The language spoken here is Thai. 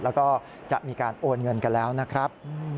แล้วก็จะมีการโอนเงินกันแล้วนะครับ